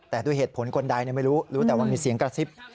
แต่ด้วยเหตุผลคนใดไม่รู้รู้แต่ว่ามีเสียงกระซิบ